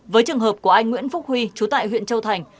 với trường hợp của anh nguyễn phúc huy chú tại huyện châu thành